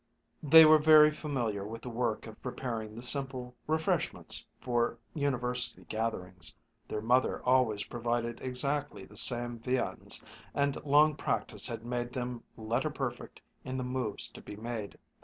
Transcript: They were very familiar with the work of preparing the simple "refreshments" for University gatherings. Their mother always provided exactly the same viands, and long practice had made them letter perfect in the moves to be made.